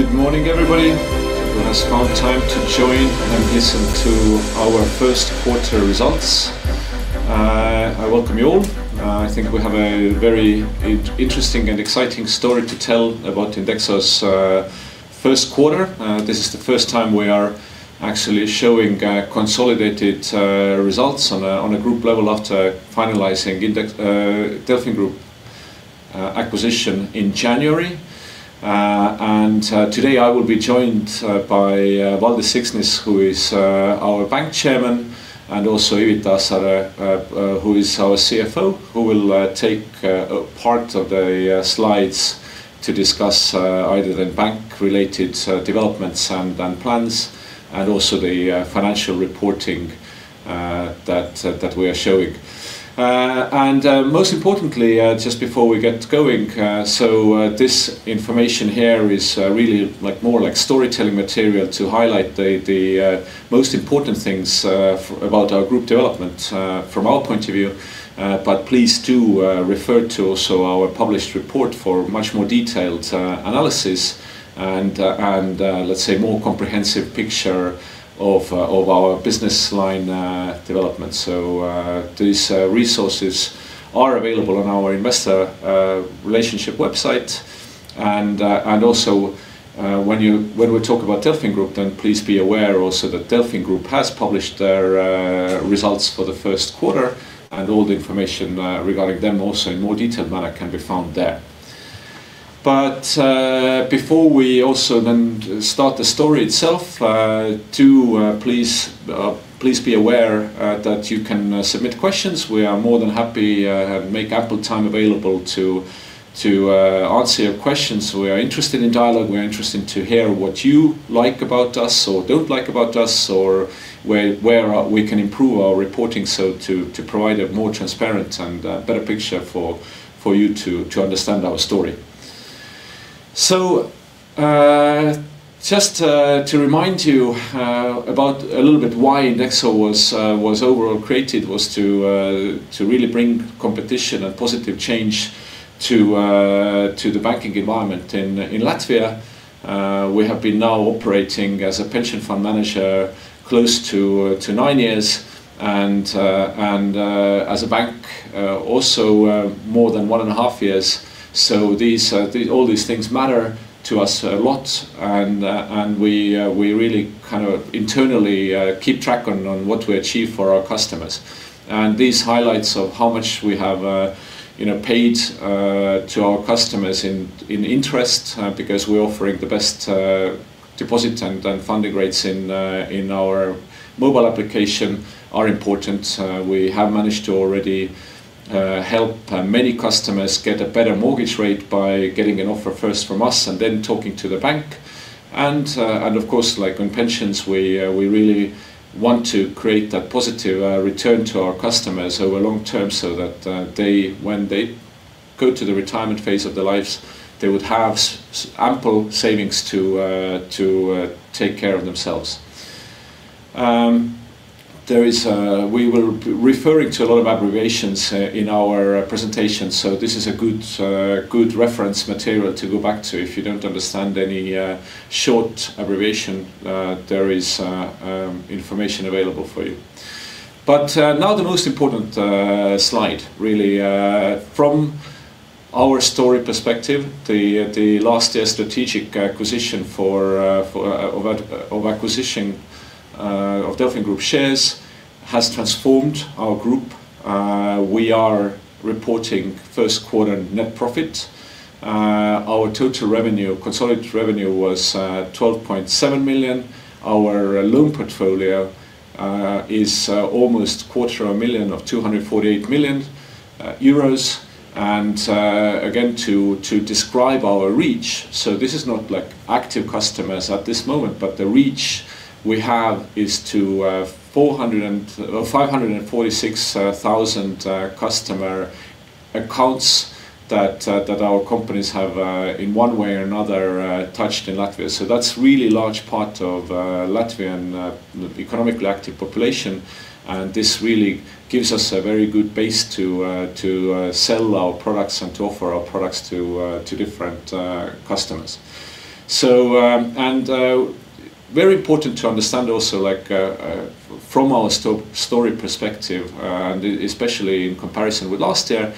Good morning, everybody who has found time to join and listen to our first quarter results. I welcome you all. I think we have a very in-interesting and exciting story to tell about INDEXO's first quarter. This is the first time we are actually showing consolidated results on a group level after finalizing DelfinGroup acquisition in January. Today I will be joined by Valdis Siksnis, who is our Bank Chairman, and also Ivita Asare, who is our CFO, who will take part of the slides to discuss either the bank-related developments and plans and also the financial reporting that we are showing. Most importantly, just before we get going, this information here is really like more like storytelling material to highlight the most important things about our group development from our point of view. Please do refer to also our published report for much more detailed analysis and, let's say, more comprehensive picture of our business line development. These resources are available on our investor relationship website. Also, when we talk about DelfinGroup, then please be aware also that DelfinGroup has published their results for the first quarter and all the information regarding them also in more detailed manner can be found there. Before we also then start the story itself, do please be aware that you can submit questions. We are more than happy, make ample time available to answer your questions. We are interested in dialogue. We are interested to hear what you like about us or don't like about us or where we can improve our reporting so to provide a more transparent and better picture for you to understand our story. Just to remind you about a little bit why INDEXO was overall created was to really bring competition and positive change to the banking environment. In Latvia, we have been now operating as a pension fund manager close to nine years and as a bank also more than 1.5 Years. These all these things matter to us a lot and we really kind of internally keep track on what we achieve for our customers. These highlights of how much we have, you know, paid to our customers in interest because we're offering the best deposit and funding rates in our mobile application are important. We have managed to already help many customers get a better mortgage rate by getting an offer first from us and then talking to the bank. Of course, like on pensions, we really want to create that positive return to our customers over long term so that they when they go to the retirement phase of their lives, they would have ample savings to take care of themselves. There is, we will be referring to a lot of abbreviations in our presentation, so this is a good reference material to go back to if you don't understand any short abbreviation. There is information available for you. Now the most important slide really from our story perspective, the last year's strategic acquisition for acquisition of DelfinGroup shares has transformed our group. We are reporting first quarter net profit. Our total revenue, consolidated revenue was 12.7 million. Our loan portfolio is almost quarter a billion of 248 million euros. Again, to describe our reach, this is not like active customers at this moment, but the reach we have is to 546,000 customer accounts that our companies have in one way or another touched in Latvia. That's really large part of Latvian economically active population. This really gives us a very good base to sell our products and to offer our products to different customers. Very important to understand also, like, from our story perspective, and especially in comparison with last year,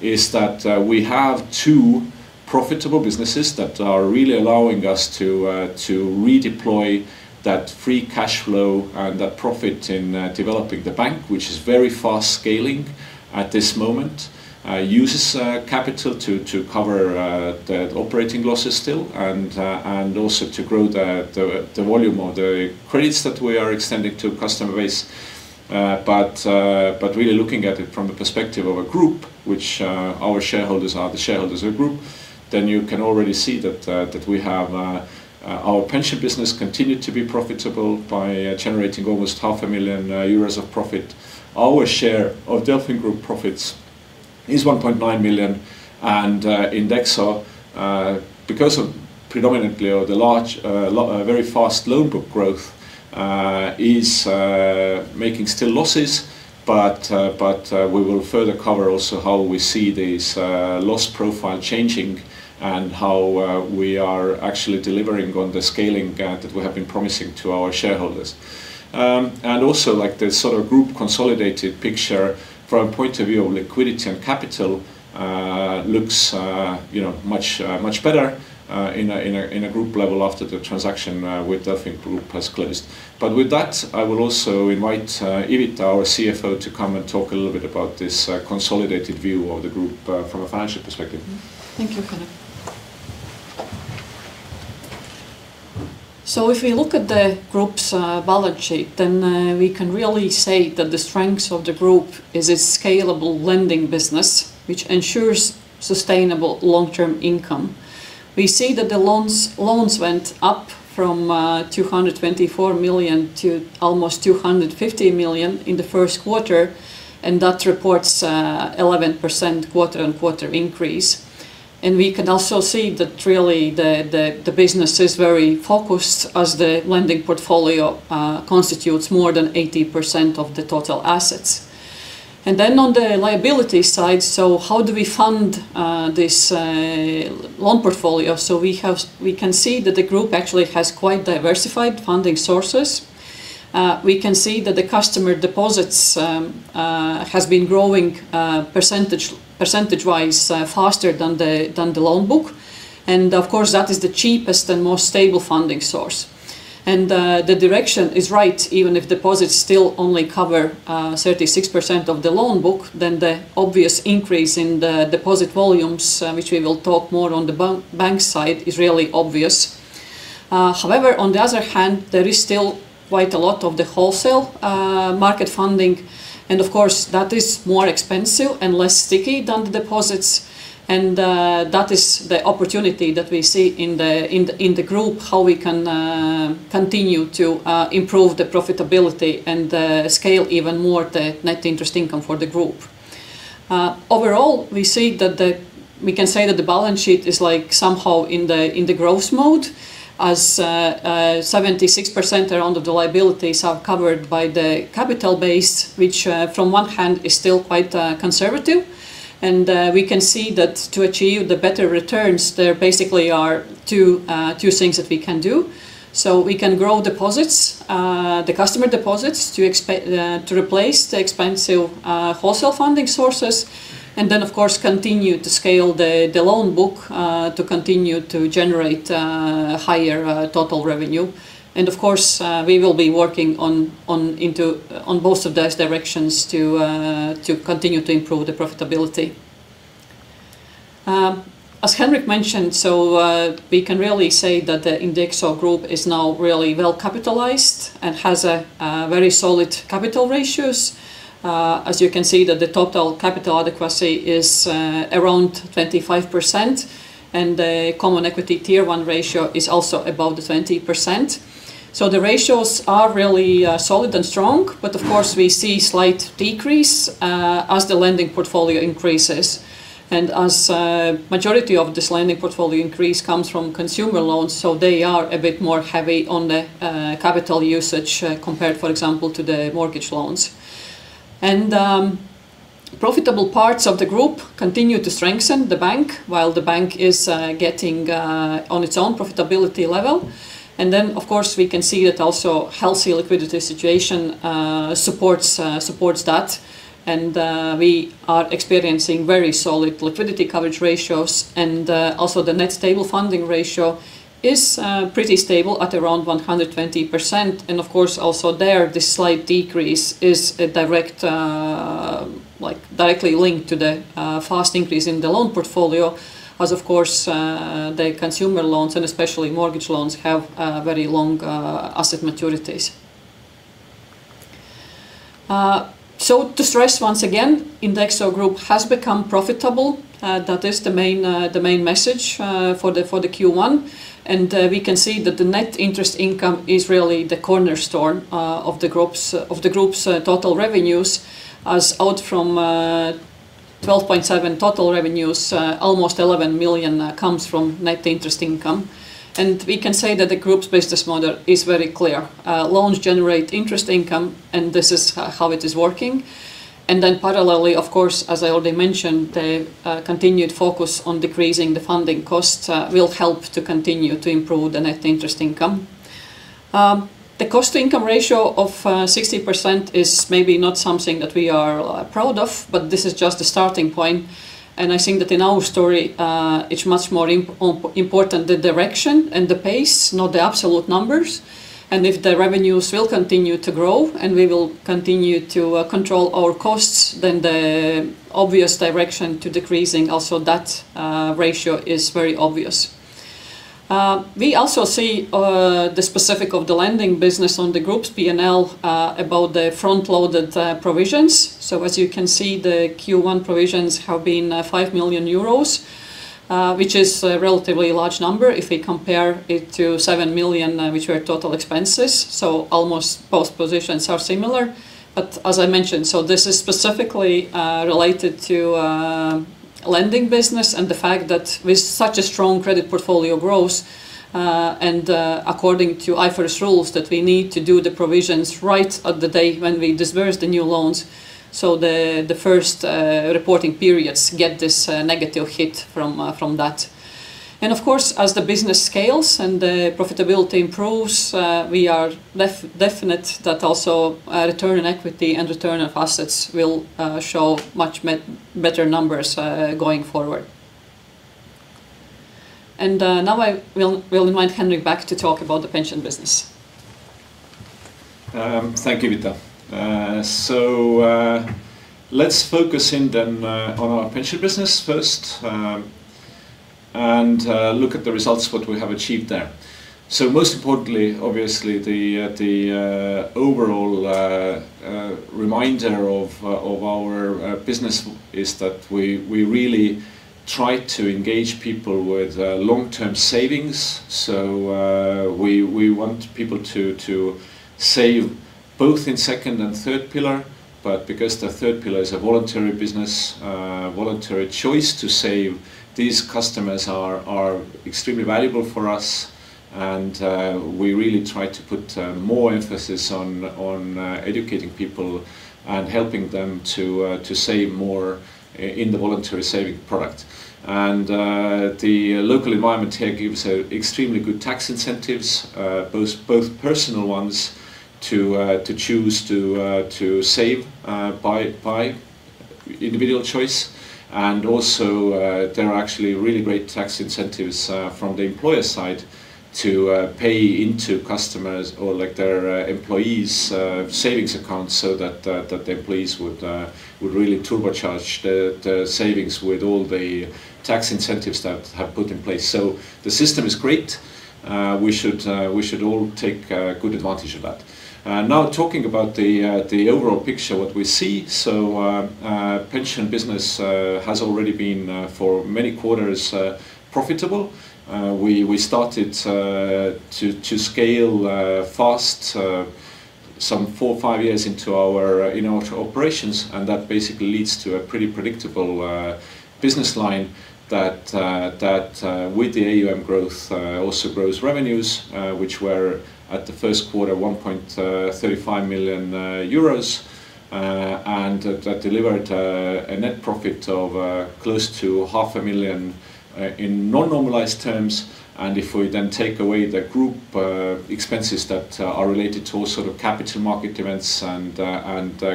is that we have two profitable businesses that are really allowing us to redeploy that free cash flow and that profit in developing INDEXO Banka, which is very fast scaling at this moment. Uses capital to cover the operating losses still and also to grow the volume of the credits that we are extending to customer base. Really looking at it from a perspective of INDEXO Group which our shareholders are the shareholders of INDEXO Group, then you can already see that we have our pension business continued to be profitable by generating almost 500,000 euros of profit. Our share of DelfinGroup profits is 1.9 million, and INDEXO, because of predominantly or the large, very fast loan book growth, is making still losses. We will further cover also how we see these loss profile changing and how we are actually delivering on the scaling guide that we have been promising to our shareholders. Also, like, the sort of group consolidated picture from point of view of liquidity and capital looks, you know, much better in a group level after the transaction with DelfinGroup has closed. With that, I will also invite Ivita, our CFO, to come and talk a little bit about this consolidated view of the group from a financial perspective. Thank you, Henrik. If you look at the group's balance sheet, we can really say that the strengths of the group is its scalable lending business, which ensures sustainable long-term income. We see that the loans went up from 224 million to almost 250 million in the first quarter, and that reports 11% quarter-on-quarter increase. We can also see that really the business is very focused as the lending portfolio constitutes more than 80% of the total assets. On the liability side, how do we fund this loan portfolio? We can see that the group actually has quite diversified funding sources. We can see that the customer deposits has been growing percentage-wise faster than the loan book. Of course, that is the cheapest and most stable funding source. The direction is right, even if deposits still only cover 36% of the loan book, then the obvious increase in the deposit volumes, which we will talk more on the bank side, is really obvious. However, on the other hand, there is still quite a lot of the wholesale market funding, and of course, that is more expensive and less sticky than the deposits and that is the opportunity that we see in the group, how we can continue to improve the profitability and scale even more the net interest income for the group. Overall, we see that the balance sheet is, like, somehow in the growth mode as 76% around of the liabilities are covered by the capital base, which from one hand is still quite conservative. We can see that to achieve the better returns, there basically are two things that we can do. We can grow deposits, the customer deposits to replace the expensive wholesale funding sources, then of course continue to scale the loan book to continue to generate higher total revenue. Of course, we will be working on both of those directions to continue to improve the profitability. As Henrik mentioned, we can really say that the INDEXO Group is now really well capitalized and has a very solid capital ratios. As you can see that the total capital adequacy is around 25%, the common equity Tier 1 ratio is also above the 20%. The ratios are really solid and strong, of course, we see slight decrease as the lending portfolio increases and as majority of this lending portfolio increase comes from consumer loans, they are a bit more heavy on the capital usage compared for example, to the mortgage loans. Profitable parts of the group continue to strengthen the bank while the bank is getting on its own profitability level. Of course, we can see that also healthy liquidity situation supports that. We are experiencing very solid liquidity coverage ratios and also the Net Stable Funding Ratio is pretty stable at around 120%. Of course, also there, this slight decrease is a direct, like, directly linked to the fast increase in the loan portfolio as, of course, the consumer loans and especially mortgage loans have very long asset maturities. So to stress once again, INDEXO Group has become profitable. That is the main, the main message for the Q1. We can see that the net interest income is really the cornerstone of the group's, of the group's total revenues as out from 12.7 total revenues, almost 11 million comes from net interest income. We can say that the group's business model is very clear. Loans generate interest income, and this is how it is working. Then parallelly, of course, as I already mentioned, the continued focus on decreasing the funding costs will help to continue to improve the net interest income. The cost-to-income ratio of 60% is maybe not something that we are proud of, but this is just a starting point. I think that in our story, it's much more important the direction and the pace, not the absolute numbers. If the revenues will continue to grow and we will continue to control our costs, then the obvious direction to decreasing also that ratio is very obvious. We also see the specific of the lending business on the group's P&L about the front-loaded provisions. As you can see, the Q1 provisions have been 5 million euros, which is a relatively large number if we compare it to 7 million, which were total expenses, so almost both positions are similar. As I mentioned, this is specifically related to lending business and the fact that with such a strong credit portfolio growth, and according to IFRS rules that we need to do the provisions right at the day when we disburse the new loans, the first reporting periods get this negative hit from that. Of course, as the business scales and the profitability improves, we are definite that also return on equity and return of assets will show much better numbers going forward. Now I will invite Henrik back to talk about the pension business. Thank you, Ivita. Let's focus in then on our pension business first and look at the results what we have achieved there. Most importantly, obviously the overall reminder of our business is that we really try to engage people with long-term savings. We want people to save both in second and third pillar, but because the third pillar is a voluntary business, voluntary choice to save, these customers are extremely valuable for us. We really try to put more emphasis on educating people and helping them to save more in the voluntary saving product. The local environment here gives extremely good tax incentives, both personal ones to choose to save by individual choice. Also, there are actually really great tax incentives from the employer side to pay into customers or their employees' savings accounts so that the employees would really turbocharge the savings with all the tax incentives that have put in place. The system is great. We should all take good advantage of that. Now talking about the overall picture, what we see. Pension business has already been for many quarters profitable. We started to scale fast some four, five years into our, you know, operations, and that basically leads to a pretty predictable business line that with the AUM growth also grows revenues, which were at the first quarter 1.35 million euros. And that delivered a net profit of close to 500,000 in non-normalized terms. And if we then take away the group expenses that are related to all sort of capital market events and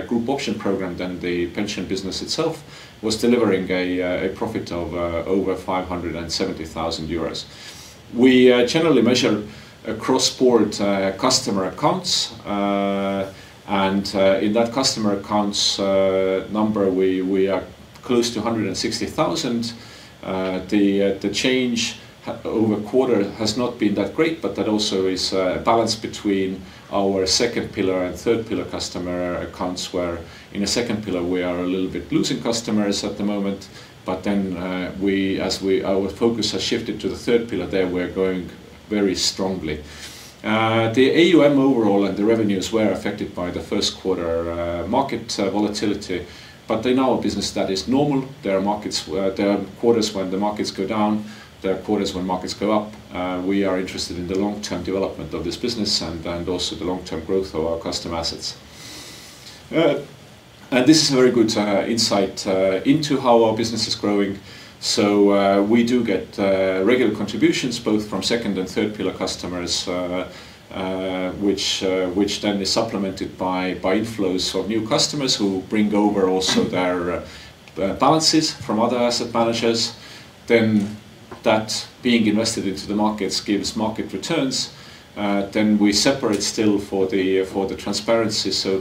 group option program, then the pension business itself was delivering a profit of over 570,000 euros. We generally measure across board customer accounts. In that customer accounts number, we are close to 160,000. The change over quarter has not been that great, but that also is a balance between our second pillar and third pillar customer accounts, where in the second pillar we are a little bit losing customers at the moment. Our focus has shifted to the third pillar, there we're growing very strongly. The AUM overall and the revenues were affected by the first quarter market volatility, but they're now a business that is normal. There are markets, there are quarters when the markets go down, there are quarters when markets go up. We are interested in the long-term development of this business and also the long-term growth of our customer assets. This is a very good insight into how our business is growing. We do get regular contributions both from second and third pillar customers, which then is supplemented by inflows of new customers who bring over also their balances from other asset managers. That being invested into the markets gives market returns. We separate still for the transparency so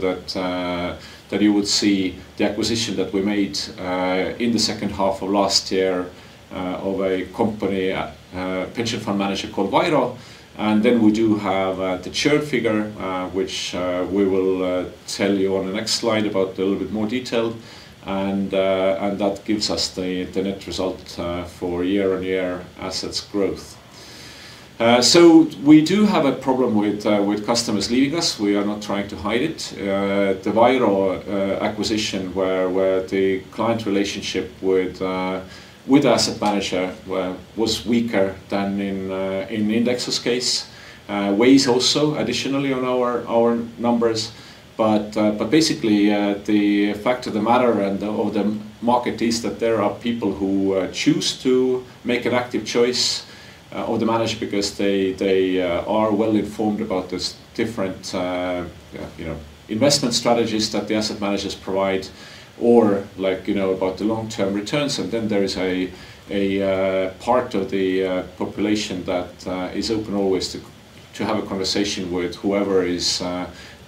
that you would see the acquisition that we made in the second half of last year of a company pension fund manager called VAIRO. We do have the churn figure, which we will tell you on the next slide about a little bit more detail. That gives us the net result for year-on-year assets growth. We do have a problem with customers leaving us. We are not trying to hide it. The VAIRO acquisition where the client relationship with asset manager was weaker than in INDEXO's case, weighs also additionally on our numbers. Basically, the fact of the matter and of the market is that there are people who choose to make an active choice of the manager because they are well informed about the different, you know, investment strategies that the asset managers provide or like, you know, about the long-term returns. There is a part of the population that is open always to have a conversation with whoever is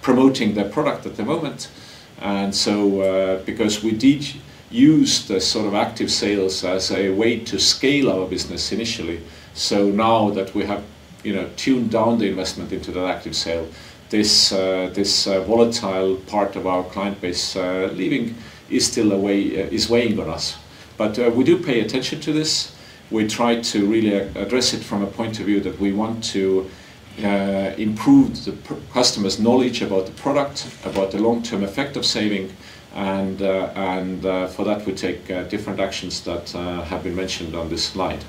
promoting their product at the moment. Because we did use the sort of active sales as a way to scale our business initially, so now that we have, you know, tuned down the investment into that active sale, this volatile part of our client base, leaving is still a way, is weighing on us. We do pay attention to this. We try to really address it from a point of view that we want to improve the customer's knowledge about the product, about the long-term effect of saving, and, for that, we take different actions that have been mentioned on this slide.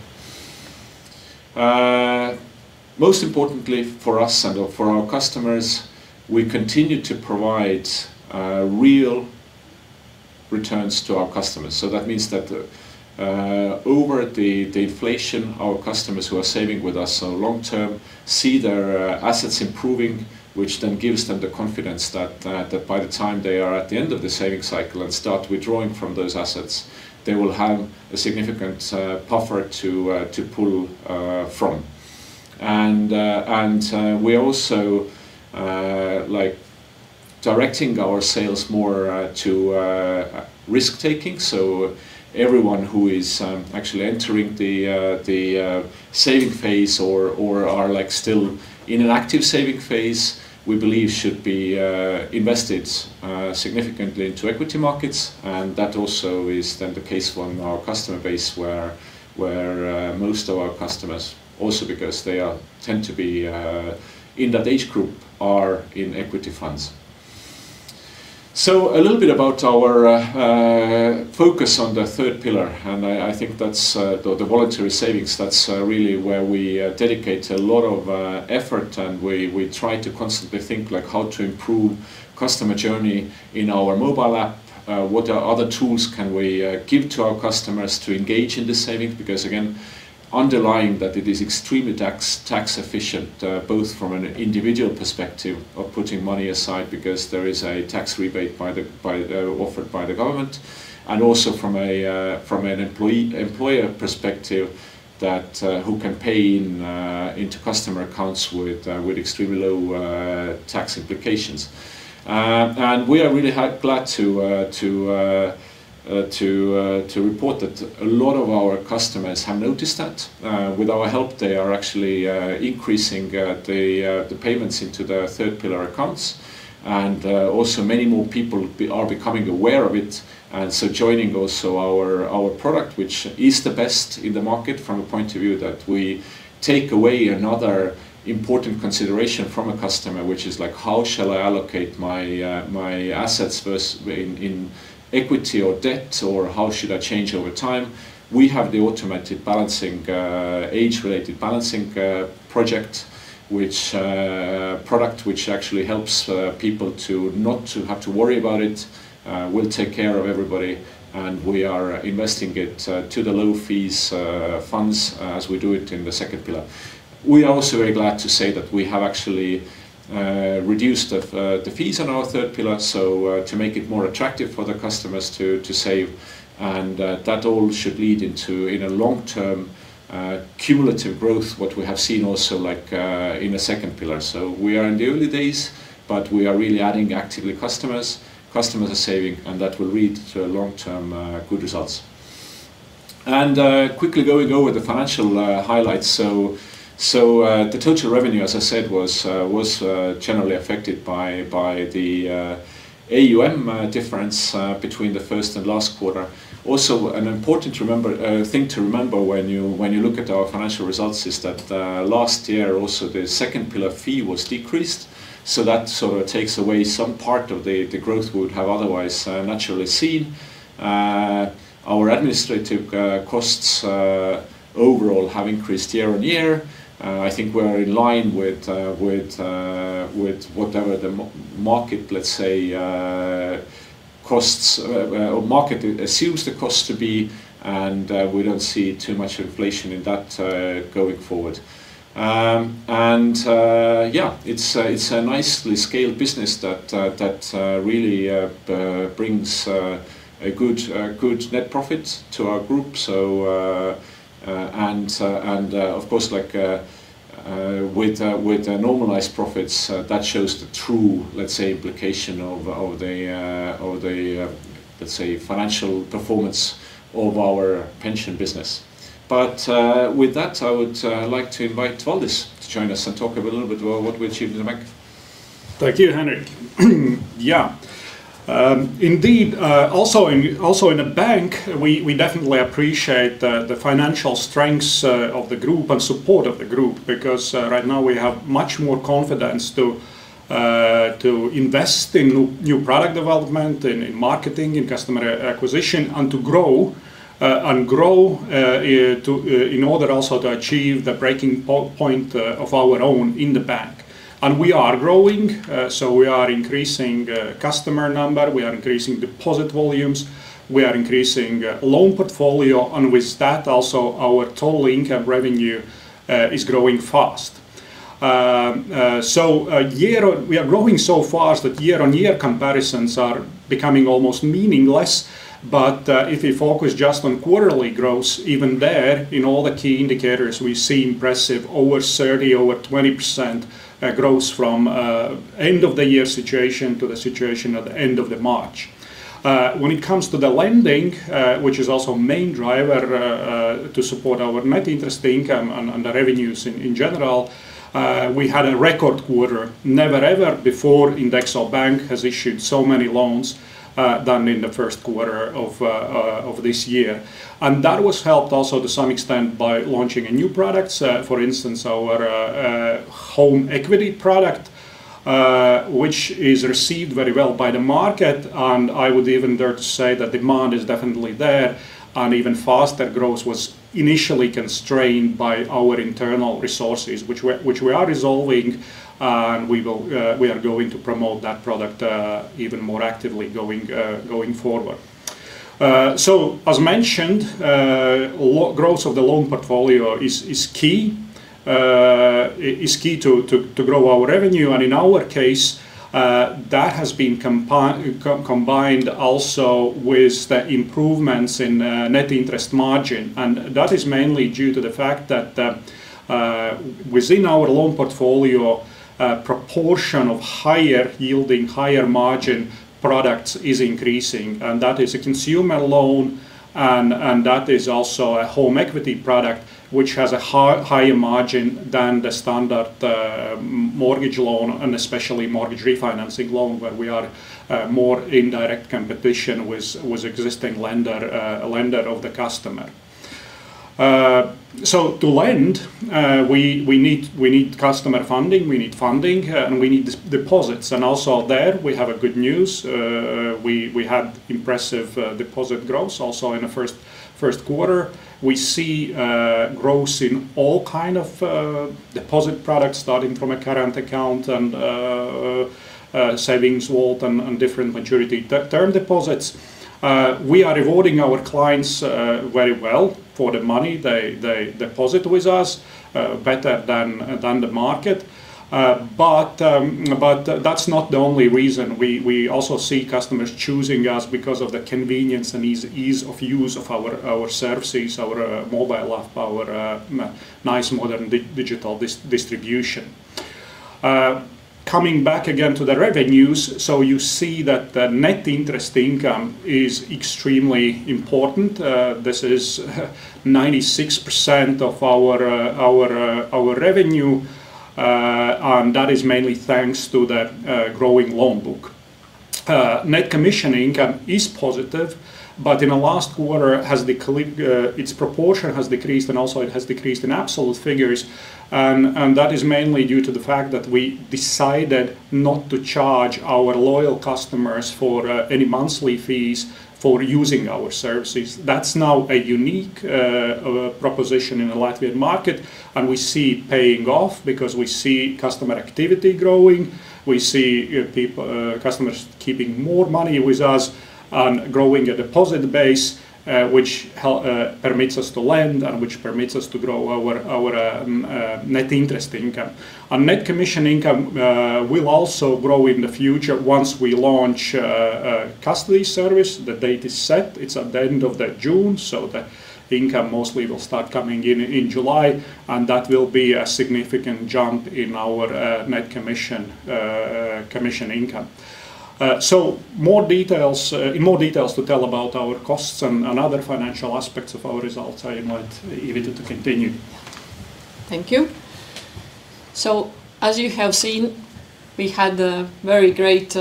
Most importantly for us and for our customers, we continue to provide real returns to our customers. That means that, over the inflation, our customers who are saving with us on long term see their assets improving, which then gives them the confidence that, by the time they are at the end of the saving cycle and start withdrawing from those assets, they will have a significant buffer to pull from. We are also like directing our sales more to risk-taking. Everyone who is actually entering the saving phase or are like still in an active saving phase, we believe should be invested significantly into equity markets. That also is then the case on our customer base where, most of our customers also because they tend to be, in that age group, are in equity funds. A little bit about our focus on the third pillar, I think that's the voluntary savings. That's really where we dedicate a lot of effort, and we try to constantly think like how to improve customer journey in our mobile app. What are other tools can we give to our customers to engage in the savings? Again, underlying that it is extremely tax efficient, both from an individual perspective of putting money aside because there is a tax rebate by the offered by the government and also from an employee-employer perspective that who can pay in into customer accounts with extremely low tax implications. We are really glad to report that a lot of our customers have noticed that. With our help, they are actually increasing the payments into their third pillar accounts. Also many more people are becoming aware of it, joining also our product, which is the best in the market from a point of view that we take away another important consideration from a customer, which is like, how shall I allocate my assets first in equity or debt, or how should I change over time? We have the automated balancing, age-related balancing product which actually helps people to not to have to worry about it. We'll take care of everybody, and we are investing it to the low fees funds as we do it in the second pillar. We also are glad to say that we have actually reduced the fees on our third pillar, so to make it more attractive for the customers to save. That all should lead into, in a long-term cumulative growth, what we have seen also like in the second pillar. We are in the early days, but we are really adding actively customers. Customers are saving, that will lead to long-term good results. Quickly going over the financial highlights. The total revenue, as I said, was generally affected by the AUM difference between the first and last quarter. An important thing to remember when you look at our financial results is that the last year also the second pillar fee was decreased. That sort of takes away some part of the growth we would have otherwise naturally seen. Our administrative costs overall have increased year-over-year. I think we're in line with whatever the market, let's say, costs or market assumes the cost to be. We don't see too much inflation in that going forward. Yeah, it's a nicely scaled business that really brings a good net profit to our group. And, and, of course, like, with the normalized profits, that shows the true, let's say, implication of the, of the, let's say, financial performance of our pension business. With that, I would, like to invite Valdis to join us and talk a little bit about what we achieved in the bank. Thank you, Henrik. Yeah. Indeed, also in the bank, we definitely appreciate the financial strengths of the group and support of the group because right now we have much more confidence to invest in new product development, in marketing, in customer acquisition, and to grow in order also to achieve the breaking point of our own in the bank. We are growing. We are increasing customer number. We are increasing deposit volumes. We are increasing loan portfolio. With that also our total income revenue is growing fast. We are growing so fast that year-on-year comparisons are becoming almost meaningless. If we focus just on quarterly growth, even there in all the key indicators, we see impressive over 30%, over 20% growth from end of the year situation to the situation at the end of the March. When it comes to the lending, which is also main driver to support our net interest income and the revenues in general, we had a record quarter. Never ever before INDEXO Bank has issued so many loans than in the first quarter of this year. That was helped also to some extent by launching a new products. For instance, our home equity product, which is received very well by the market. I would even dare to say that demand is definitely there and even faster growth was initially constrained by our internal resources, which we are resolving. We will, we are going to promote that product even more actively going forward. As mentioned, loan growth of the loan portfolio is key. Is key to grow our revenue and in our case, that has been combined also with the improvements in net interest margin. That is mainly due to the fact that within our loan portfolio, a proportion of higher yielding, higher margin products is increasing. That is a consumer loan and that is also a home equity product which has a higher margin than the standard mortgage loan and especially mortgage refinancing loan where we are more in direct competition with existing lender of the customer. To lend, we need customer funding, we need funding, and we need deposits and also there we have a good news. We had impressive deposit growth also in the first quarter. We see growth in all kind of deposit products starting from a current account, savings vault, and different maturity term deposits. We are rewarding our clients very well for the money they deposit with us, better than the market. That's not the only reason. We also see customers choosing us because of the convenience and ease of use of our services, our mobile app, our nice modern digital distribution. Coming back again to the revenues, you see that the net interest income is extremely important. This is 96% of our revenue, that is mainly thanks to the growing loan book. Net commission income is positive, but in the last quarter its proportion has decreased and also it has decreased in absolute figures, that is mainly due to the fact that we decided not to charge our loyal customers for any monthly fees for using our services. That's now a unique proposition in the Latvian market, we see paying off because we see customer activity growing, we see customers keeping more money with us and growing a deposit base, which permits us to lend and which permits us to grow our net interest income. Our net commission income will also grow in the future once we launch custody service. The date is set. It's at the end of the June, so the income mostly will start coming in July, and that will be a significant jump in our net commission income. More details to tell about our costs and other financial aspects of our results. I invite Ivita to continue. Yeah. Thank you. As you have seen, we had a very great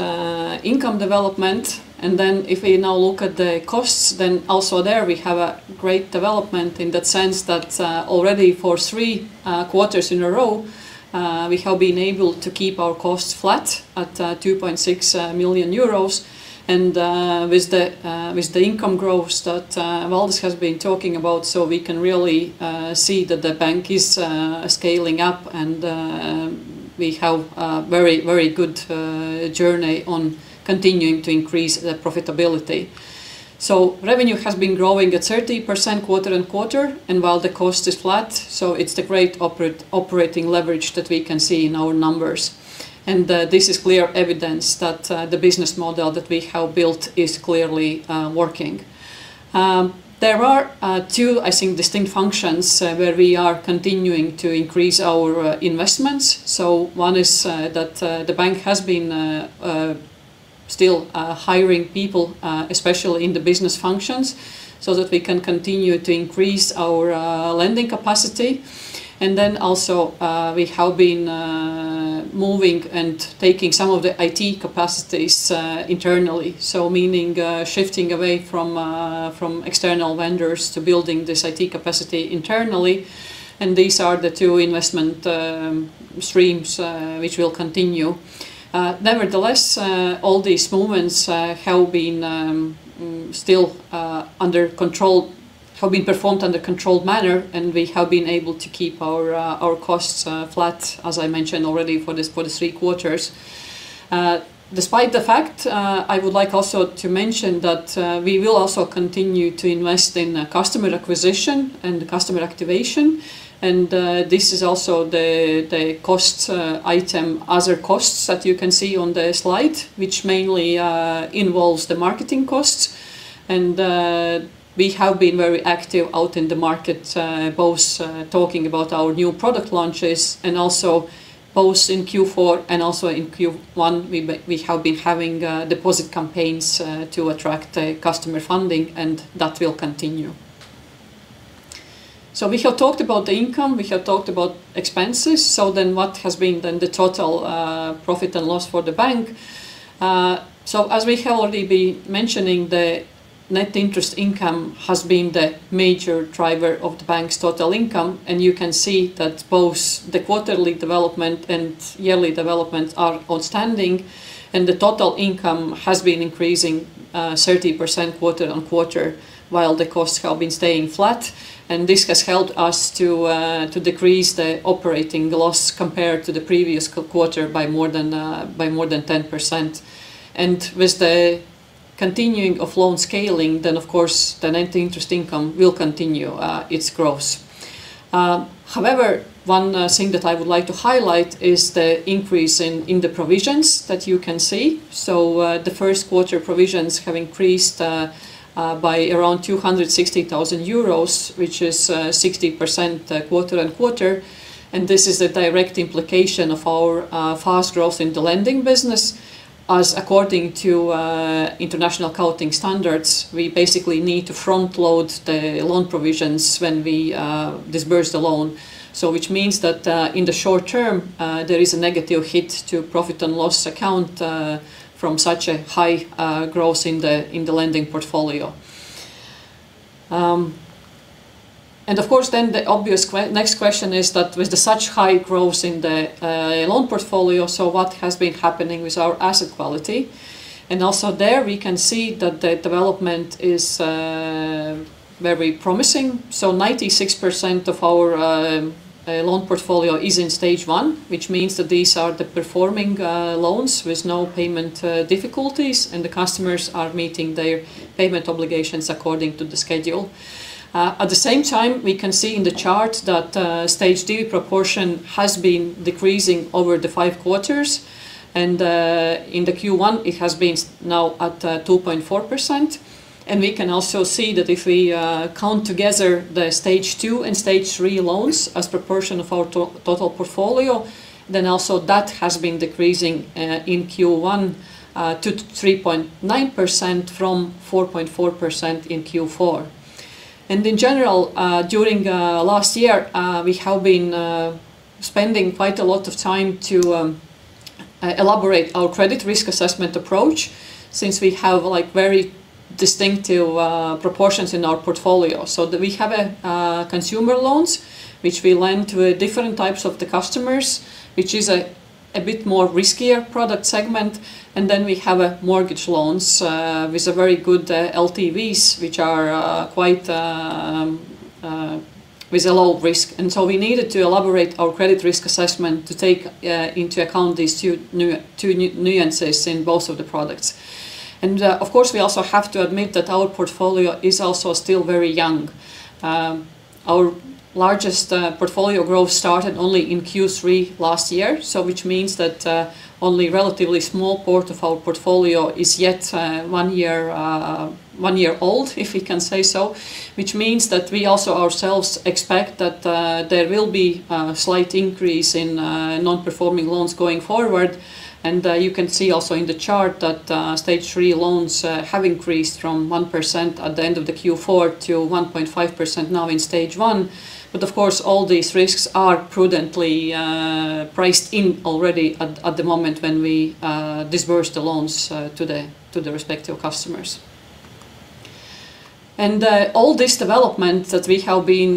income development, and then if we now look at the costs, then also there we have a great development in the sense that already for three quarters in a row, we have been able to keep our costs flat at 2.6 million euros and with the income growth that Valdis has been talking about, so we can really see that the bank is scaling up and we have a very, very good journey on continuing to increase the profitability. Revenue has been growing at 30% quarter-on-quarter, and while the cost is flat, so it's the great operating leverage that we can see in our numbers. This is clear evidence that the business model that we have built is clearly working. There are two, I think, distinct functions where we are continuing to increase our investments. One is that the Bank has been still hiring people especially in the business functions, so that we can continue to increase our lending capacity. We have been moving and taking some of the IT capacities internally, meaning shifting away from external vendors to building this IT capacity internally and these are the two investment streams which will continue. Nevertheless, all these movements have been still under control, have been performed under controlled manner, and we have been able to keep our costs flat, as I mentioned already, for this, for the three quarters. Despite the fact, I would like also to mention that we will also continue to invest in customer acquisition and customer activation, and this is also the cost item, other costs that you can see on the slide, which mainly involves the marketing costs. We have been very active out in the market, both talking about our new product launches and also both in Q4 and also in Q1 we have been having deposit campaigns to attract customer funding and that will continue. We have talked about the income, we have talked about expenses, what has been the total P&L for the bank? As we have already been mentioning, the net interest income has been the major driver of the bank's total income, and you can see that both the quarterly development and yearly development are outstanding, and the total income has been increasing 30% quarter-on-quarter, while the costs have been staying flat. This has helped us to decrease the operating loss compared to the previous quarter by more than 10%. With the continuing of loan scaling, then of course, the net interest income will continue its growth. However, one thing that I would like to highlight is the increase in the provisions that you can see. The first quarter provisions have increased by around 260,000 euros, which is 60% quarter-over-quarter, and this is a direct implication of our fast growth in the lending business, as according to international accounting standards, we basically need to front-load the loan provisions when we disburse the loan. Which means that in the short term, there is a negative hit to P&L account from such a high growth in the lending portfolio. Of course then the obvious next question is that with the such high growth in the loan portfolio, what has been happening with our asset quality? Also there we can see that the development is very promising. 96% of our loan portfolio is in Stage 1, which means that these are the performing loans with no payment difficulties, and the customers are meeting their payment obligations according to the schedule. At the same time, we can see in the chart that Stage 3 proportion has been decreasing over the five quarters, and in the Q1, it has been now at 2.4%. We can also see that if we count together the Stage 2 and Stage 3 loans as proportion of our total portfolio, then also that has been decreasing in Q1 to 3.9% from 4.4% in Q4. In general, during last year, we have been spending quite a lot of time to elaborate our credit risk assessment approach since we have very distinctive proportions in our portfolio. We have consumer loans, which we lend to different types of the customers, which is a bit more riskier product segment. We have mortgage loans with very good LTVs, which are quite with a low risk. We needed to elaborate our credit risk assessment to take into account these two nuances in both of the products. Of course, we also have to admit that our portfolio is also still very young. Our largest portfolio growth started only in Q3 last year, which means that only relatively small part of our portfolio is yet one year old, if we can say so, which means that we also ourselves expect that there will be a slight increase in non-performing loans going forward. You can see also in the chart that Stage 3 loans have increased from 1% at the end of the Q4 to 1.5% now in Stage 1. Of course, all these risks are prudently priced in already at the moment when we disburse the loans to the respective customers. All this development that we have been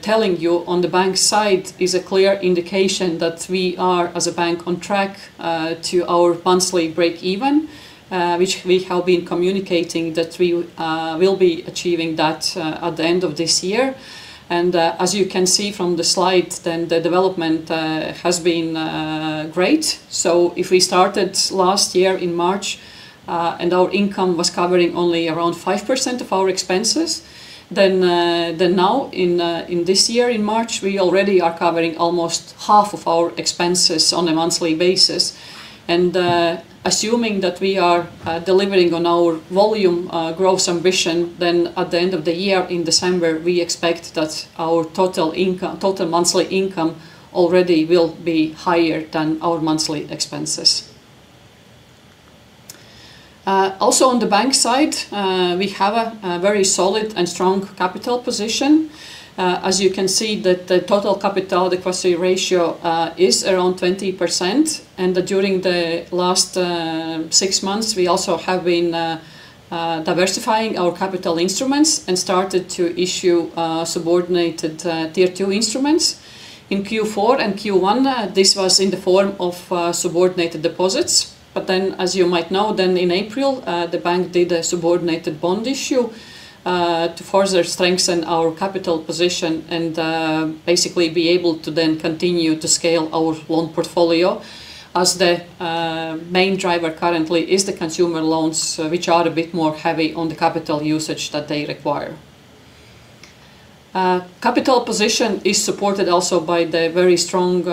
telling you on the bank side is a clear indication that we are, as a bank, on track to our monthly break-even, which we have been communicating that we will be achieving that at the end of this year. As you can see from the slide, then the development has been great. If we started last year in March, and our income was covering only around 5% of our expenses, then now in this year, in March, we already are covering almost half of our expenses on a monthly basis. Assuming that we are delivering on our volume growth ambition, then at the end of the year in December, we expect that our total income, total monthly income already will be higher than our monthly expenses. Also on the bank side, we have a very solid and strong capital position. As you can see that the Total Capital Adequacy Ratio is around 20%, and during the last six months, we also have been diversifying our capital instruments and started to issue subordinated Tier 2 instruments. In Q4 and Q1, this was in the form of subordinated deposits. As you might know, in April, the bank did a subordinated bond issue to further strengthen our capital position and basically be able to continue to scale our loan portfolio, as the main driver currently is the consumer loans, which are a bit more heavy on the capital usage that they require. Capital position is supported also by the very strong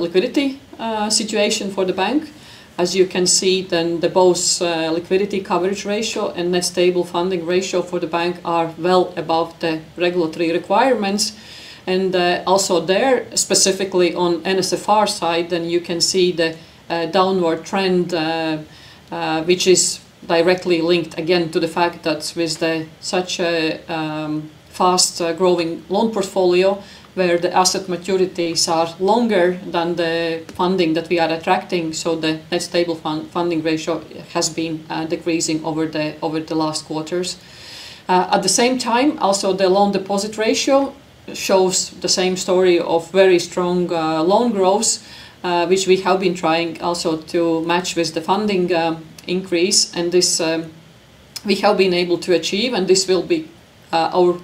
liquidity situation for the bank. As you can see the both liquidity coverage ratio and Net Stable Funding Ratio for the bank are well above the regulatory requirements. Also there, specifically on NSFR side, you can see the downward trend, which is directly linked again to the fact that with the such fast growing loan portfolio, where the asset maturities are longer than the funding that we are attracting, the net stable funding ratio has been decreasing over the last quarters. At the same time, also the loan-to-deposit ratio shows the same story of very strong loan growth, which we have been trying also to match with the funding increase, and this we have been able to achieve, and this will be our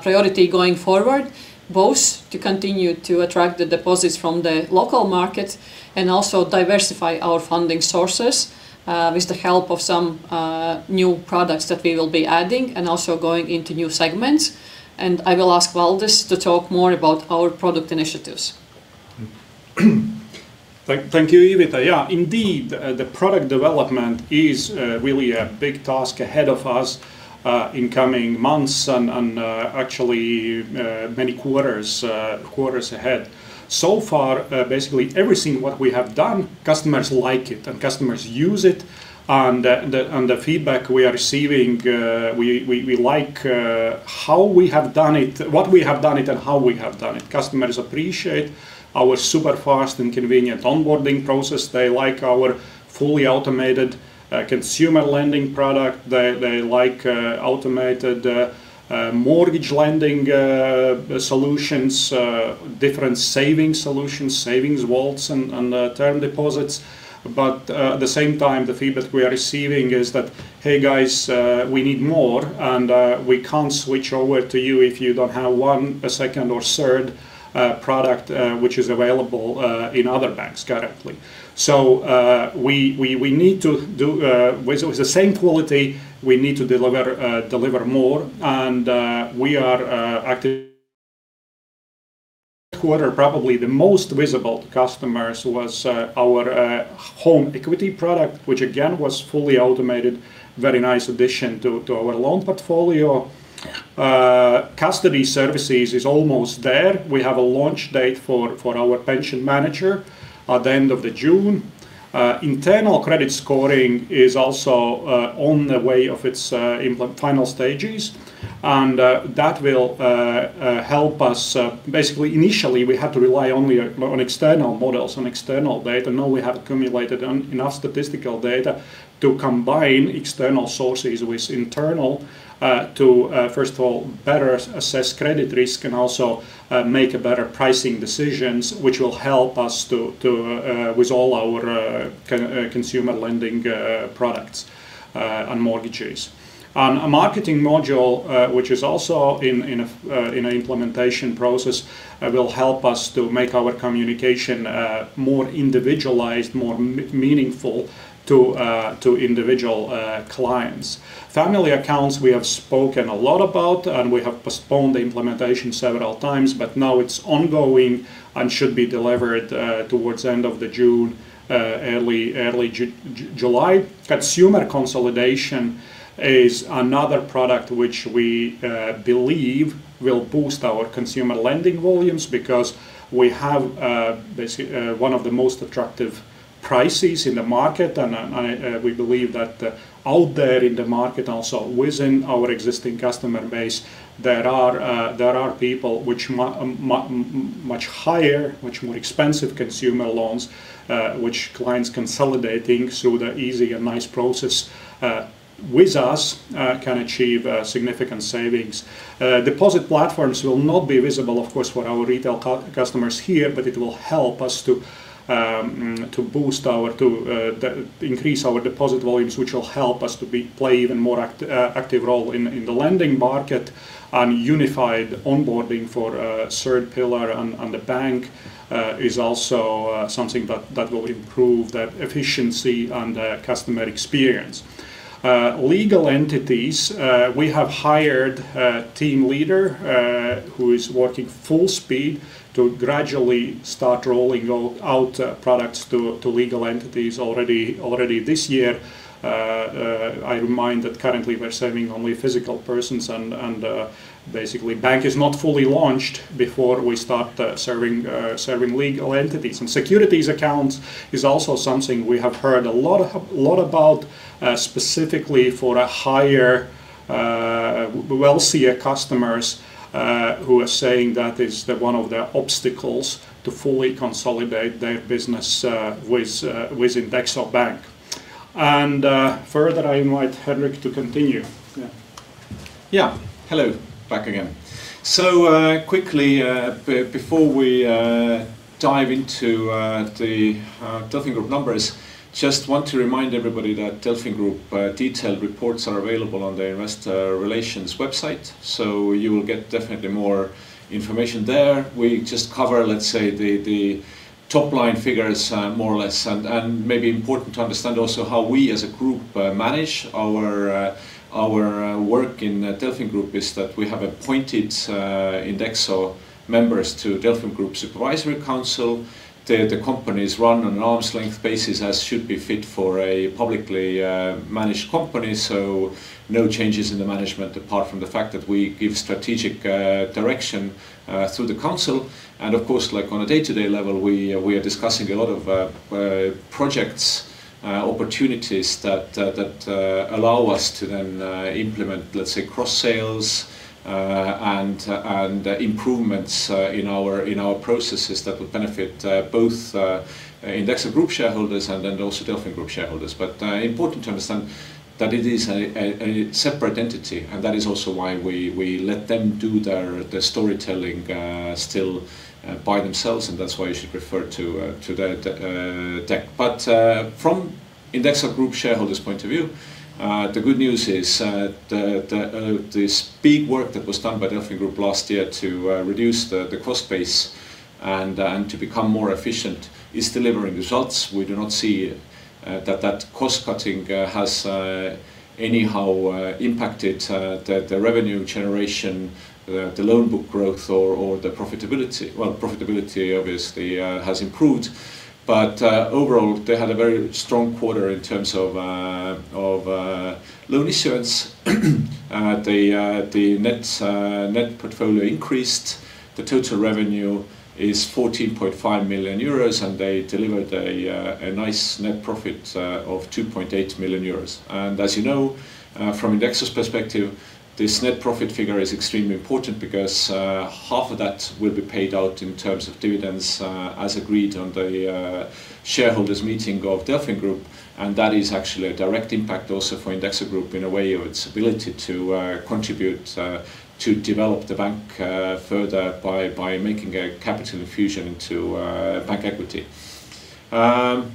priority going forward, both to continue to attract the deposits from the local market and also diversify our funding sources, with the help of some new products that we will be adding and also going into new segments. I will ask Valdis to talk more about our product initiatives. Thank you, Ivita. Indeed, the product development is really a big task ahead of us in coming months and actually, many quarters ahead. So far, basically everything what we have done, customers like it and customers use it and the feedback we are receiving, we like how we have done it, what we have done it and how we have done it. Customers appreciate our super fast and convenient onboarding process. They like our fully automated consumer lending product. They like automated mortgage lending solutions, different savings solutions, savings vaults and term deposits. At the same time, the feedback we are receiving is that, "Hey guys, we need more and we can't switch over to you if you don't have one, a second or third product, which is available in other banks currently." We need to do with the same quality, we need to deliver more and we are active quarter probably the most visible to customers was our home equity product, which again was fully automated, very nice addition to our loan portfolio. Custody services is almost there. We have a launch date for our pension manager at the end of June. Internal credit scoring is also on the way of its final stages and that will help us. Basically, initially we had to rely only on external models, on external data. Now we have accumulated enough statistical data to combine external sources with internal to first of all, better assess credit risk and also make better pricing decisions, which will help us with all our consumer lending products and mortgages. A marketing module, which is also in an implementation process, will help us to make our communication more individualized, more meaningful to individual clients. Family accounts we have spoken a lot about, and we have postponed the implementation several times, but now it's ongoing and should be delivered towards end of the June, early July. Consumer consolidation is another product which we believe will boost our consumer lending volumes because we have one of the most attractive prices in the market and we believe that out there in the market also within our existing customer base, there are people which much higher, much more expensive consumer loans, which clients consolidating through the easy and nice process with us, can achieve significant savings. Deposit platforms will not be visible of course for our retail customers here, but it will help us to boost our, increase our deposit volumes, which will help us to play even more active role in the lending market and unified onboarding for third pillar on the bank is also something that will improve the efficiency and the customer experience. Legal entities, we have hired a team leader who is working full speed to gradually start rolling out products to legal entities already this year. I remind that currently we're serving only physical persons and basically bank is not fully launched before we start serving legal entities. Securities accounts is also something we have heard a lot about, specifically for a higher, wealthier customers, who are saying that is the, one of the obstacles to fully consolidate their business, with, within INDEXO Bank. Further I invite Henrik to continue. Yeah. Hello. Back again. Quickly, before we dive into the DelfinGroup numbers, just want to remind everybody that DelfinGroup detailed reports are available on the investor relations website, so you will get definitely more information there. We just cover, let's say, the top line figures, more or less and maybe important to understand also how we as a group manage our work in DelfinGroup is that we have appointed INDEXO members to DelfinGroup Supervisory Board. The companies run on an arm's length basis as should be fit for a publicly managed company, so no changes in the management apart from the fact that we give strategic direction through the council. Of course, like on a day-to-day level, we are discussing a lot of projects, opportunities that, allow us to then, implement, let's say, cross sales, and improvements, in our, in our processes that would benefit, both, INDEXO Group shareholders and then also DelfinGroup shareholders. Important to understand that it is a, a separate entity, and that is also why we let them do their, the storytelling, still, by themselves, and that's why you should refer to that, deck. From INDEXO Group shareholders' point of view, the good news is, the, this big work that was done by DelfinGroup last year to, reduce the cost base and to become more efficient is delivering results. We do not see that cost cutting has anyhow impacted the revenue generation, the loan book growth or the profitability. Well, profitability obviously has improved. Overall, they had a very strong quarter in terms of loan issuance. The net portfolio increased. The total revenue is 14.5 million euros, and they delivered a nice net profit of 2.8 million euros. As you know, from INDEXO's perspective, this net profit figure is extremely important because half of that will be paid out in terms of dividends, as agreed on the shareholders' meeting of DelfinGroup, and that is actually a direct impact also for INDEXO Group in a way of its ability to contribute to develop the bank further by making a capital infusion into bank equity. One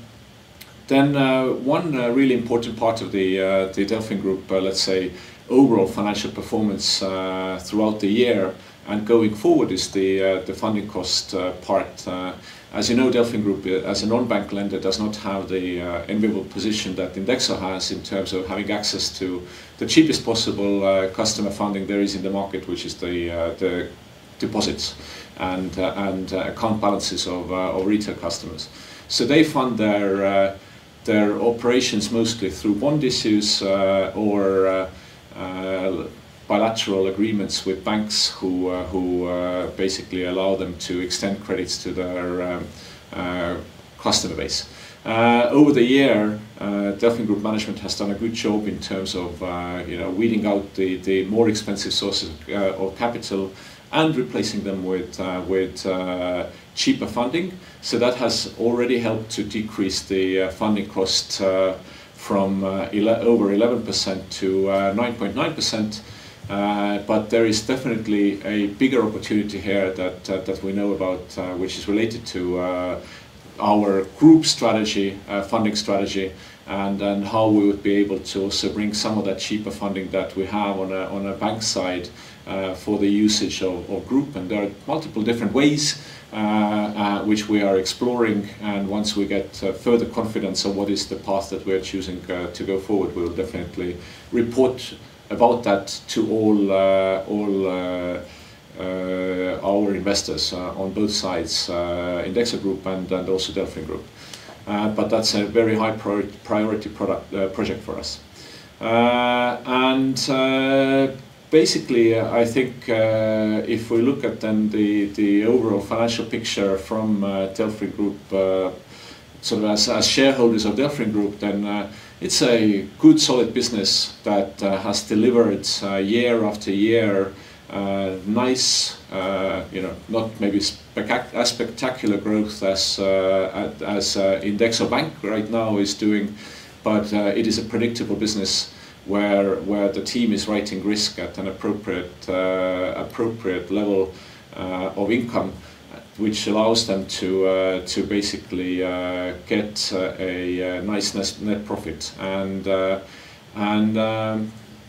really important part of the DelfinGroup, let's say, overall financial performance throughout the year and going forward is the funding cost part. As you know, DelfinGroup, as a non-bank lender, does not have the enviable position that INDEXO has in terms of having access to the cheapest possible customer funding there is in the market, which is the deposits and account balances of retail customers. They fund their operations mostly through bond issues or bilateral agreements with banks who basically allow them to extend credits to their customer base. Over the year, DelfinGroup management has done a good job in terms of, you know, weeding out the more expensive sources of capital and replacing them with cheaper funding. That has already helped to decrease the funding cost from over 11% to 9.9%. There is definitely a bigger opportunity here that we know about, which is related to our group strategy, funding strategy, and how we would be able to also bring some of that cheaper funding that we have on a bank side for the usage of group. There are multiple different ways which we are exploring, and once we get further confidence on what is the path that we're choosing to go forward, we'll definitely report about that to all our investors on both sides, INDEXO Group and also DelfinGroup. That's a very high priority project for us. Basically, I think, if we look at then the overall financial picture from DelfinGroup, sort of as shareholders of DelfinGroup, then it's a good solid business that has delivered year-after-year, nice, you know, not maybe as spectacular growth as INDEXO Bank right now is doing. It is a predictable business where the team is writing risk at an appropriate level of income, which allows them to basically get a nice net profit.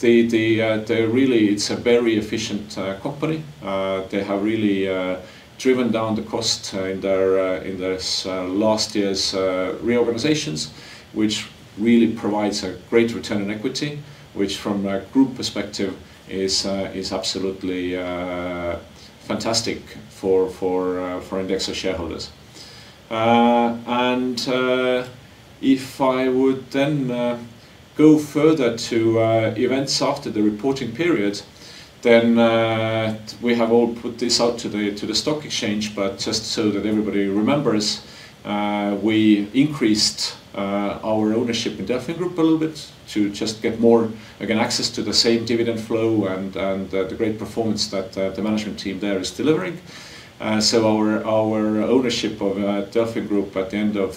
It's a very efficient company. They have really driven down the cost in their in this last year's reorganizations, which really provides a great return on equity, which from a group perspective is absolutely fantastic for for INDEXO shareholders. If I would then go further to events after the reporting period, then we have all put this out to the to the stock exchange. Just so that everybody remembers, we increased our ownership in DelfinGroup a little bit to just get more, again, access to the same dividend flow and and the great performance that the management team there is delivering. Our ownership of DelfinGroup at the end of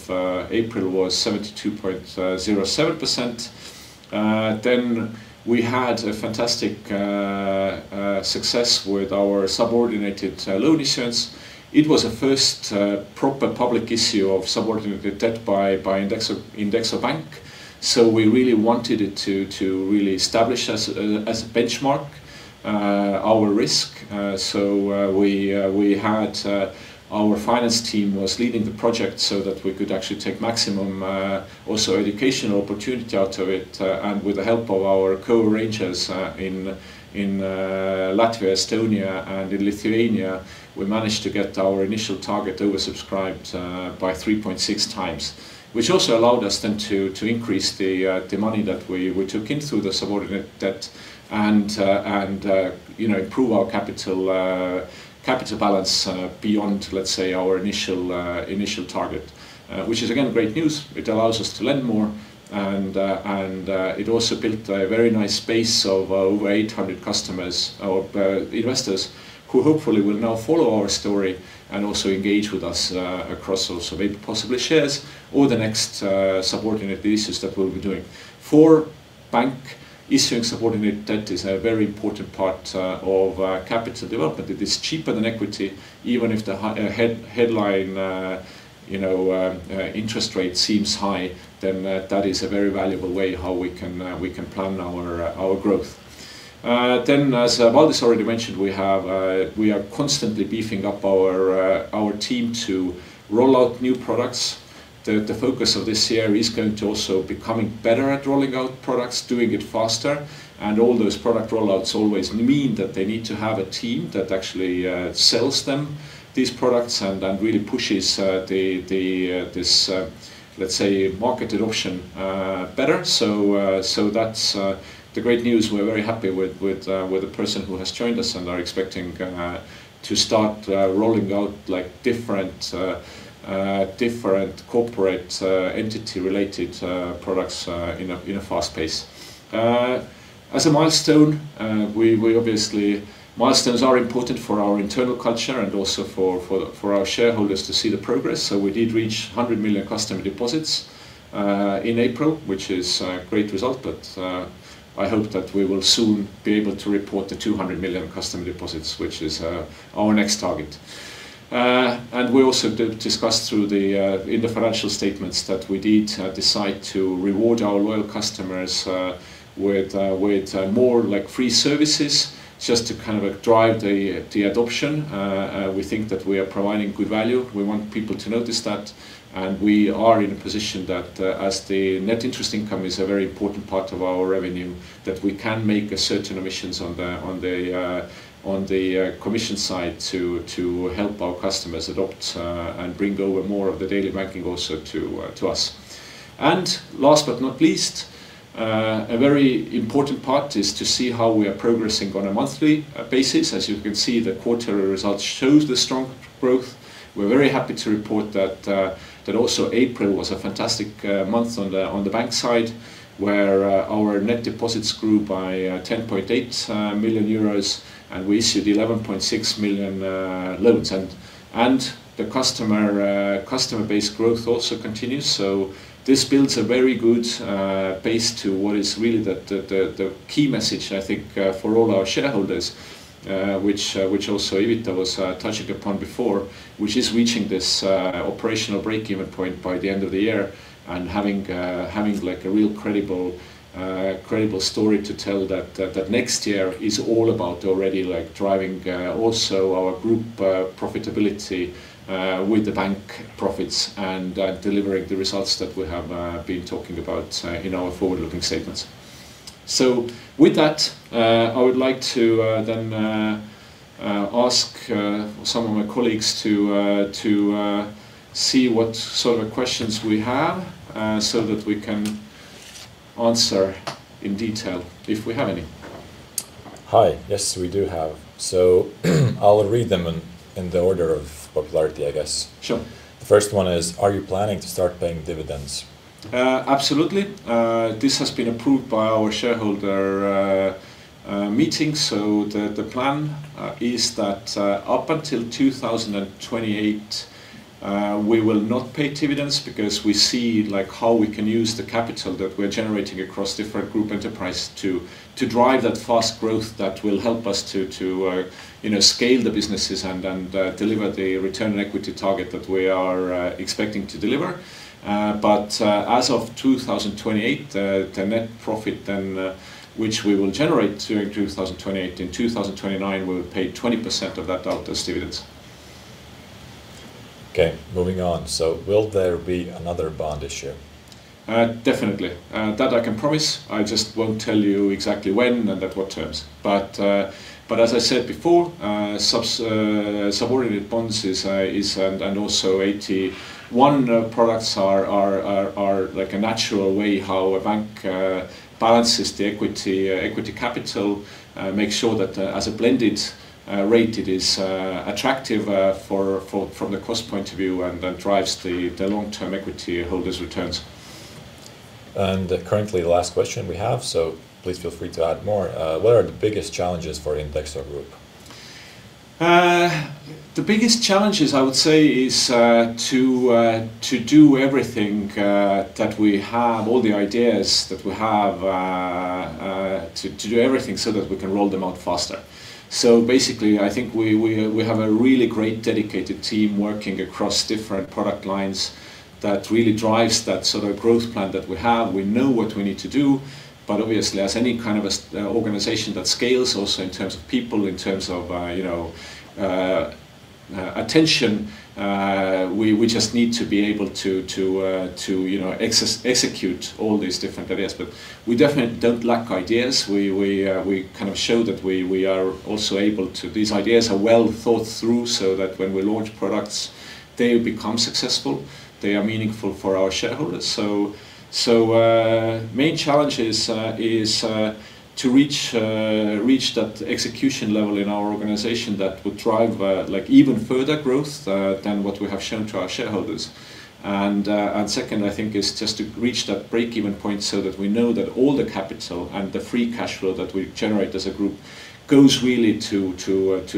April was 72.07%. Then we had a fantastic success with our subordinated loan issuance. It was the first proper public issue of subordinated debt by INDEXO Banka, so we really wanted it to really establish as a benchmark our risk. So we had our finance team was leading the project so that we could actually take maximum also educational opportunity out of it. And with the help of our co-arrangers in Latvia, Estonia, and in Lithuania, we managed to get our initial target oversubscribed by 3.6x, which also allowed us then to increase the money that we took in through the subordinate debt and, you know, improve our capital balance beyond, let's say, our initial target. Which is again great news. It allows us to lend more, and it also built a very nice base of over 800 customers or investors who hopefully will now follow our story and also engage with us across also maybe possibly shares or the next subordinate issues that we'll be doing. For bank. Issuing subordinate debt is a very important part of capital development. It is cheaper than equity, even if the headline, you know, interest rate seems high, then that is a very valuable way how we can plan our growth. As Valdis already mentioned, we have, we are constantly beefing up our team to roll out new products. The focus of this year is going to also becoming better at rolling out products, doing it faster, and all those product rollouts always mean that they need to have a team that actually sells them, these products, and really pushes the this, let's say, market adoption better. That's the great news. We're very happy with the person who has joined us and are expecting to start rolling out, like, different corporate entity-related products in a fast pace. As a milestone, we obviously Milestones are important for our internal culture and also for our shareholders to see the progress, so we did reach 100 million customer deposits in April, which is a great result. I hope that we will soon be able to report the 200 million customer deposits, which is our next target. And we also did discuss through the in the financial statements that we did decide to reward our loyal customers with more, like, free services just to kind of drive the adoption. We think that we are providing good value. We want people to notice that. We are in a position that as the net interest income is a very important part of our revenue, that we can make a certain omissions on the commission side to help our customers adopt and bring over more of the daily banking also to us. Last but not least, a very important part is to see how we are progressing on a monthly basis. As you can see, the quarterly results shows the strong growth. We're very happy to report that also April was a fantastic month on the bank side, where our net deposits grew by 10.8 million euros, and we issued 11.6 million loans. The customer base growth also continues, so this builds a very good base to what is really the key message, I think, for all our shareholders, which also Ivita was touching upon before, which is reaching this operational break-even point by the end of the year and having, like, a real credible story to tell that next year is all about already, like, driving also our Group profitability with the Bank profits and delivering the results that we have been talking about in our forward-looking statements. With that, I would like to then ask some of my colleagues to to see what sort of questions we have so that we can answer in detail if we have any. Hi. Yes, we do have. I'll read them in the order of popularity, I guess. Sure. The first one is, are you planning to start paying dividends? Absolutely. This has been approved by our shareholder meeting. The plan is that up until 2028, we will not pay dividends because we see, like, how we can use the capital that we're generating across different group enterprise to drive that fast growth that will help us to, you know, scale the businesses and deliver the return on equity target that we are expecting to deliver. As of 2028, the net profit then, which we will generate during 2028, in 2029, we'll pay 20% of that out as dividends. Okay, moving on. Will there be another bond issue? Definitely. That I can promise. I just won't tell you exactly when and at what terms. As I said before, subordinate bonds is, and also AT1 products are, like, a natural way how a bank balances the equity capital, makes sure that as a blended rate it is attractive for, from the cost point of view and drives the long-term equity holders' returns. Currently the last question we have, so please feel free to add more. What are the biggest challenges for INDEXO Group? The biggest challenges, I would say, is to do everything that we have, all the ideas that we have, to do everything so that we can roll them out faster. Basically, I think we have a really great dedicated team working across different product lines that really drives that sort of growth plan that we have. Obviously, as any kind of organization that scales also in terms of people, in terms of, you know, attention, we just need to be able to, you know, execute all these different ideas. We definitely don't lack ideas. We kind of show that we are also able to. These ideas are well thought through so that when we launch products, they become successful. They are meaningful for our shareholders. Main challenge is to reach that execution level in our organization that would drive like even further growth than what we have shown to our shareholders. Second, I think, is just to reach that break-even point so that we know that all the capital and the free cash flow that we generate as a group goes really to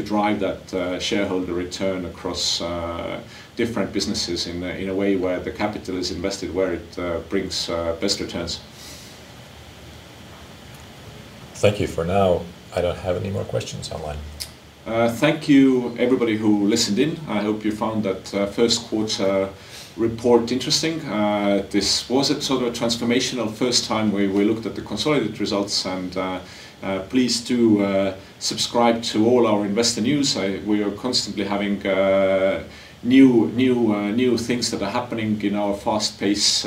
drive that shareholder return across different businesses in a way where the capital is invested, where it brings best returns. Thank you for now. I don't have any more questions online. Thank you everybody who listened in. I hope you found that first quarter report interesting. This was a sort of transformational 1st time where we looked at the consolidated results and please do subscribe to all our investor news. We are constantly having new things that are happening in our fast-paced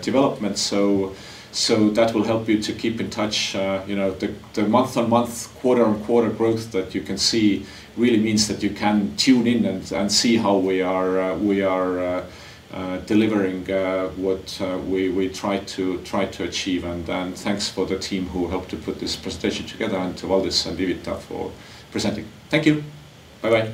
development. That will help you to keep in touch. You know, the month-on-month, quarter-on-quarter growth that you can see really means that you can tune in and see how we are delivering what we try to achieve. Thanks for the team who helped to put this presentation together and to Valdis and Ivita for presenting. Thank you. Bye-bye.